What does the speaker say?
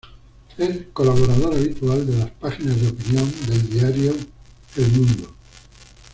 Es colaborador habitual de las páginas de opinión del diario "El Mundo".